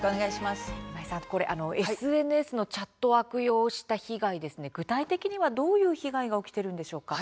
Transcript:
今井さんＳＮＳのチャットを悪用した被害というのは具体的にはどういう被害が起きているのでしょうか。